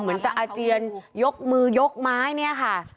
เหมือนจะอาเจียนยกมือยกไม้เนี่ยค่ะ